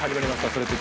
「それって！？